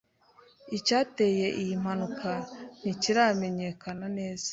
Icyateye iyi mpanuka ntikiramenyekana neza.